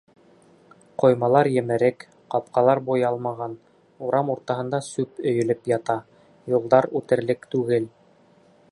Ҡоймалар емерек, ҡапҡалар буялмаған, урам уртаһында сүп өйөлөп ята, юлдар үтерлек түгел.